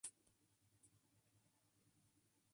La nave central se encuentra cubierta mediante bóveda de cañón.